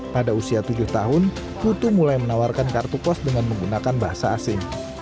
pada usia tujuh tahun putu mulai menawarkan kartu pos dengan menggunakan bahasa asing